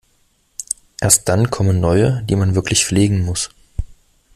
Erst dann kommen neue, die man wirklich pflegen muss.